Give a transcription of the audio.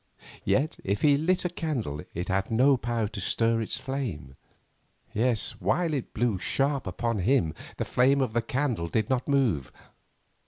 Yet if he lit a candle it had no power to stir its flame; yes, while it still blew sharp upon him the flame of the candle did not move.